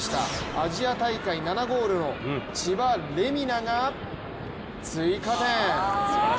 アジア大会７ゴールの千葉玲海菜が追加点。